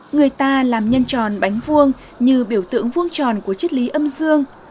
người ta làm nhân tròn bánh vuông như biểu tượng vuông tròn của chất lý âm dương